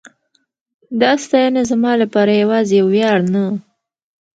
دا ستاینه زما لپاره یواځې یو ویاړ نه